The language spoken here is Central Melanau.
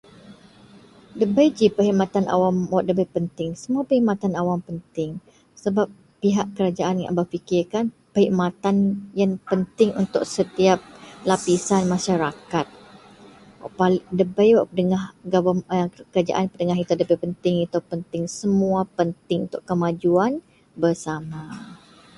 Debei ji perkhidmatan awam wak debei penting semua perkhidmatan penting, sebap pihak kerajaan ngak berfikir kan perkhidmatan yen penting untuk setiap lapisan maseraket. Wak pa debei wak pedengah government kerajaan pedengah itou debei penting semua penting untuk kemajuan bersama